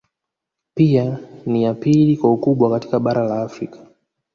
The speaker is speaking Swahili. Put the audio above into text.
Pia ni ya pili kwa ukubwa katika Bara la Afrika